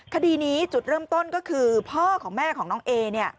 คดีนี้จุดเริ่มต้นก็คือพ่อของแม่ของน้องเอเนี่ย